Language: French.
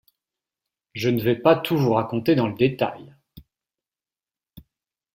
Je ne vais pas tout vous raconter dans le détail.